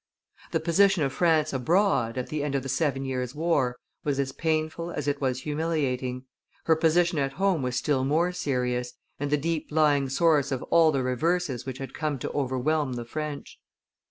The position of France abroad, at the end of the Seven Years' War, was as painful as it was humiliating; her position at home was still more serious, and the deep lying source of all the reverses which had come to overwhelm the French.